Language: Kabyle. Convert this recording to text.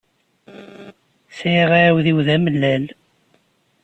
Sɛiɣ aɛudiw d amellal.